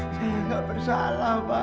saya tidak bersalah pak